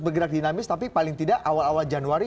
bergerak dinamis tapi paling tidak awal awal januari